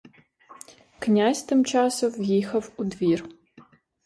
Князь тим часом в'їхав у двір.